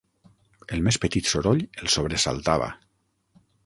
El més petit soroll el sobresaltava.